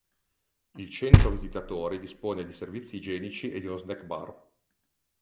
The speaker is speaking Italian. Il centro visitatori dispone di servizi igienici e di uno snack bar.